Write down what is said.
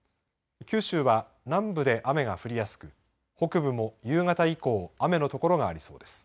九州は南部で雨が降りやすく北部も夕方以降雨の所がありそうです。